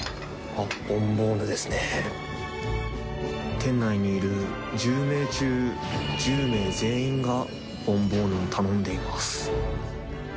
店内にいる１０名中１０名全員がボンボーヌを頼んでいます。